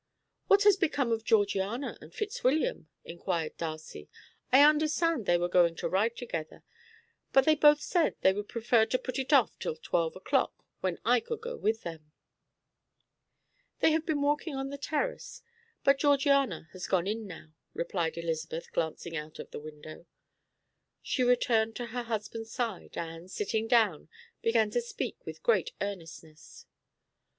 "What has become of Georgiana and Fitzwilliam?" inquired Darcy. "I understand they were going to ride together; but they both said they would prefer to put it off till twelve o'clock, when I could go with them." "They have been walking on the terrace, but Georgiana has gone in now," replied Elizabeth, glancing out of the window. She returned to her husband's side, and, sitting down, began to speak with great earnestness.